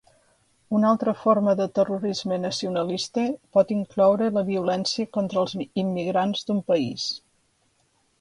Una altra forma de terrorisme nacionalista pot incloure la violència contra els immigrants d'un país.